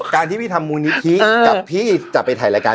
การที่พี่ทำมูลนิธิกับพี่จะไปถ่ายรายการ